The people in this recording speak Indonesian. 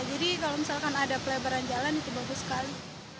jadi kalau misalkan ada pelebaran jalan itu bagus sekali